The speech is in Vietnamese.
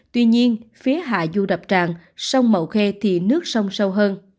tuy nhiên phía hạ du đập trạng sông mậu khe thì nước sông sâu hơn